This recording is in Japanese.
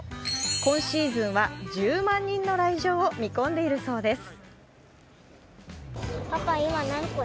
今シーズンは１０万人の来場を見込んでいるそうです。